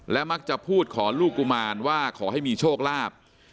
มักจะพูดขอลูกกุมารว่าขอให้มีโชคลาภ